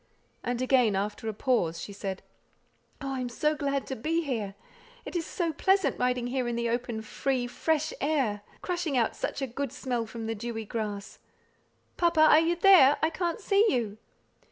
And again, after a pause she said, "Oh, I am so glad to be here! It is so pleasant riding here in the open, free, fresh air, crushing out such a good smell from the dewy grass. Papa! are you there? I can't see you."